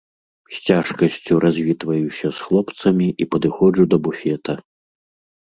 З цяжкасцю развітваюся з хлопцамі і падыходжу да буфета.